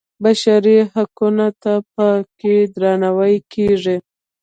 بشري حقونو ته په کې درناوی کېږي.